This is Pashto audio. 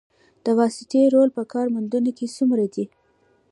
د واسطې رول په کار موندنه کې څومره دی؟